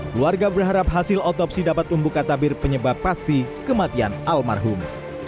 keluarga berharap hasil otopsi dapat membuka tabir penyebab pasti kematian almarhum